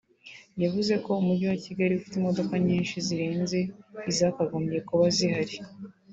yavuze ko Umujyi wa Kigali ufite imodoka nyinshi zirenze izakagombye kuba zihari